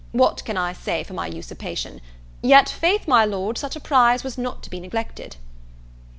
What can I say for my usurpation? Yet, faith, my Lord, such a prize was not to be neglected."